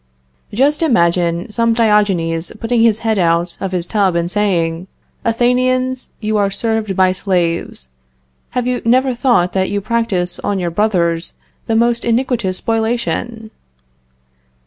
Just imagine some Diogenes putting his head out of his tub and saying, "Athenians, you are served by slaves. Have you never thought that you practice on your brothers the most iniquitous spoliation?"